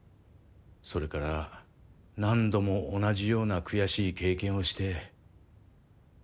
それから何度も同じような悔しい経験をして。